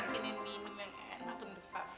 mau bikinin minum yang enak untuk papi